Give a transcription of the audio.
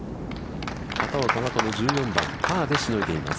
片岡は、この１４番、パーでしのいでいます。